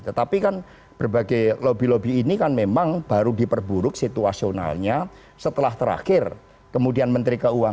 tetapi kan berbagai lobby lobby ini kan memang baru diperburuk situasionalnya setelah terakhir kemudian menteri keuangan